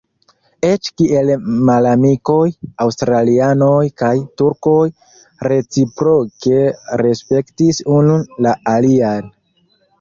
Eĉ kiel malamikoj aŭstralianoj kaj turkoj reciproke respektis unu la alian.